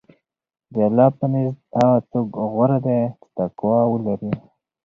د الله په نزد هغه څوک غوره دی چې تقوی ولري.